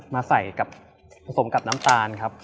มาใส่กับผสมกับน้ำตาลครับ